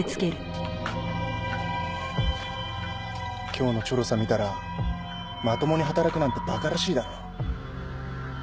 今日のチョロさ見たらまともに働くなんて馬鹿らしいだろ。